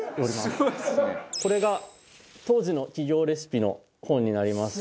これが当時の企業レシピの本になります。